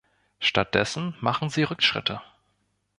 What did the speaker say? Stattdessen machen sie Rückschritte.